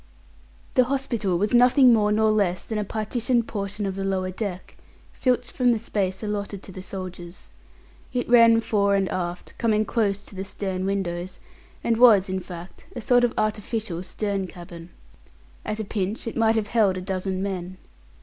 The hospital was nothing more nor less than a partitioned portion of the lower deck, filched from the space allotted to the soldiers. It ran fore and aft, coming close to the stern windows, and was, in fact, a sort of artificial stern cabin. At a pinch, it might have held a dozen men.